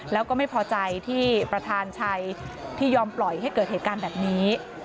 แล้วก็ไม่พอใจที่ประธานชัยที่ยอมปล่อยให้เกิดเหตุการณ์แบบนี้